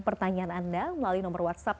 pertanyaan anda melalui nomor whatsapp